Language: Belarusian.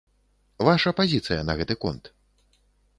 Ваша пазіцыя на гэты конт?